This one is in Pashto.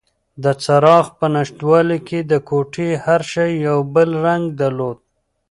د څراغ په نشتوالي کې د کوټې هر شی یو بل رنګ درلود.